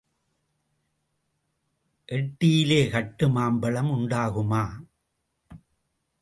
எட்டியிலே கட்டு மாம்பழம் உண்டாகுமா?